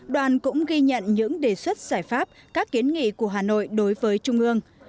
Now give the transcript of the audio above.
đoàn cũng ghi nhận những đề xuất giải pháp các kiến nghị của hà nội đối với trung ương